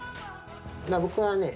僕はね